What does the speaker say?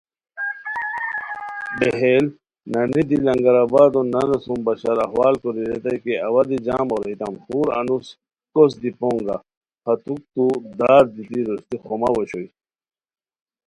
بیہیل نانی دی لنگرآبادو نانو سُم بشار احوال کوری ریتائے کی اوا دی جم اوریتام خور انوس کو س دی پونگہ پھاتوکتو دار دیتی روشتی خوماؤ اوشوئے